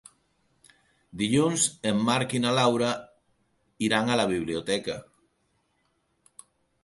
Dilluns en Marc i na Laura iran a la biblioteca.